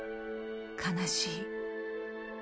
悲しい。